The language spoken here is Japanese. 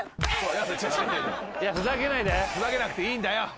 ふざけなくていいんだよ。